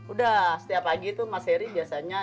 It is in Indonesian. udah setiap pagi itu mas eri biasanya